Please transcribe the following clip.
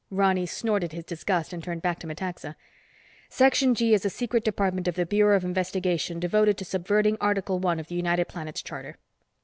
Ronny snorted his disgust and turned back to Metaxa. "Section G is a secret department of the Bureau of Investigation devoted to subverting Article One of the United Planets Charter."